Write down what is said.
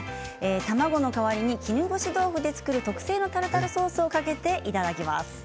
卵の代わりに絹ごし豆腐で作る特製のタルタルソースをかけていただきます。